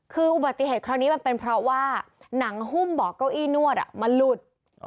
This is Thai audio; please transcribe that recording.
คืออุบัติเหตุครั้งนี้มันเป็นเพราะว่าหนังหุ้มเบาะเก้าอี้นวดมันหลุด